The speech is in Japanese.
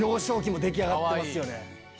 出来上がってますよね。